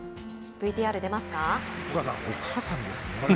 ＶＴＲ出ますか。